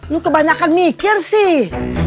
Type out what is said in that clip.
lu kebanyakan mikir sih